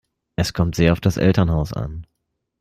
Es kommt sehr auf das Elternhaus an.